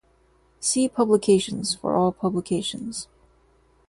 See Publications for all publications.